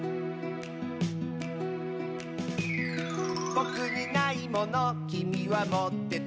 「ぼくにないものきみはもってて」